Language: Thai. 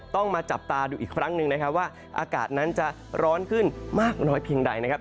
ต้องมาจับตาดูอีกครั้งหนึ่งนะครับว่าอากาศนั้นจะร้อนขึ้นมากน้อยเพียงใดนะครับ